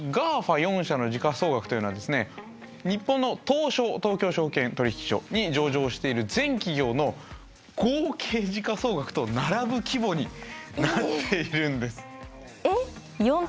ＧＡＦＡ４社の時価総額というのは日本の東証東京証券取引所に上場している全企業の合計時価総額と並ぶ規模になっているんです。